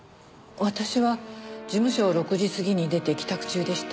私は事務所を６時過ぎに出て帰宅中でした。